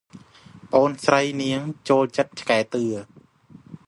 ប្អូនស្រីនាង ចូលចិត្ត ឆ្កែតឿ ។